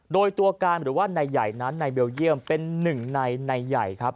โดยตัวการหรือว่านายใหญ่นั้นนายเบลเยี่ยมเป็นหนึ่งในใหญ่ครับ